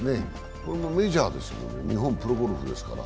これもメジャーですもんね、日本プロゴルフですから。